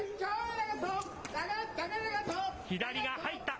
左が入った！